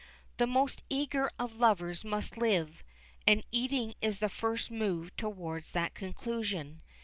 The most eager of lovers must live, and eating is the first move toward that conclusion.